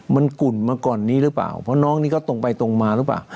มันกุ่นมาก่อนนี้หรือเปล่าเพราะน้องนี่ก็ตรงไปตรงมาหรือเปล่า